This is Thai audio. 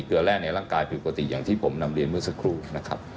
เกลือแร่ในร่างกายผิดปกติอย่างที่ผมนำเรียนเมื่อสักครู่นะครับ